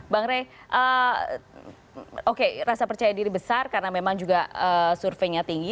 bang rey oke rasa percaya diri besar karena memang juga surveinya tinggi